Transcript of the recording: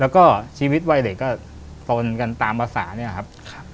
แล้วก็ชีวิตวัยเด็กก็ตนกันตามภาษาเนี่ยครับ